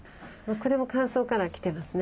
これも乾燥から来てますね。